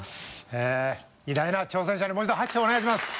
え偉大な挑戦者にもう一度拍手をお願いします。